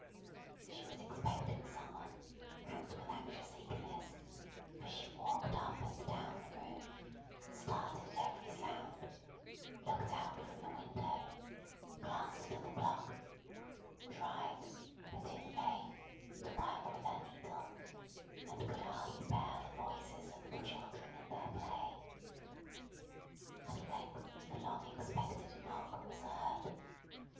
She was expecting some one, and with anxious eagerness; for she walked up and down the room; started at every sound; looked out from the window; glanced at the clock; tried, but in vain, to work with her needle; and could hardly bear the voices of the children in their play. At length the long expected knock was heard.